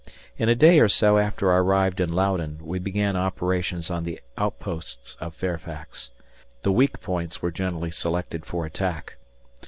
In a day or so after I arrived in Loudoun, we began operations on the outposts of Fairfax. The weak points were generally selected for attack.